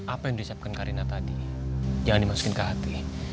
apa yang disiapkan karina tadi jangan dimasukin ke hati